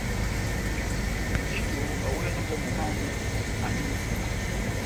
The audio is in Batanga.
Ndito awɛnɛngɛ momó wamu, andi nʼkúwa.